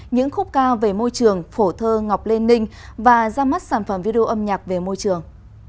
những khúc cao về môi trường phổ thơ ngọc lê ninh và ra mắt sản phẩm video âm nhạc về môi trường